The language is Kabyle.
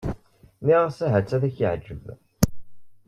Nniɣ-as ahat ad k-yeɛǧeb.